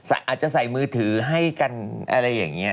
อาจจะใส่มือถือให้กันอะไรอย่างนี้